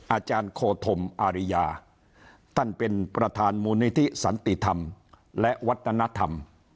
อาจารย์โคธมอาริยาท่านเป็นประธานมูลนิธิสันติธรรมและวัฒนธรรม